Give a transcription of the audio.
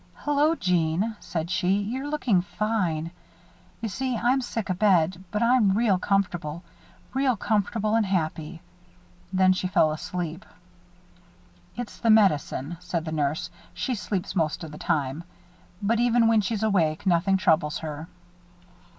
"Hello, Jeanne," she said, "you're lookin' fine. You see, I'm sick abed, but I'm real comfortable real comfortable and happy." Then she fell asleep. "It's the medicine," said the nurse. "She sleeps most of the time. But even when she's awake, nothing troubles her."